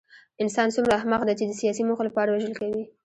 انسان څومره احمق دی چې د سیاسي موخو لپاره وژل کوي